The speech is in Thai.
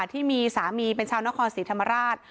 ที่มีสามีเป็นชาวนครศรีธรรมราช